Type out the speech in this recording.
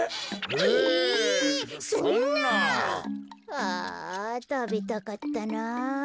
・ああたべたかったなあ。